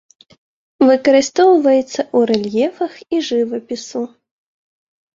Выкарыстоўваецца ў рэльефах і жывапісу.